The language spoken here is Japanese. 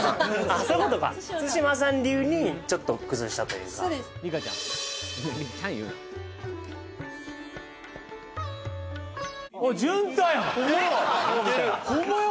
そういうことか對馬さん流にちょっと崩したというかそうです・似てる・ホンマや！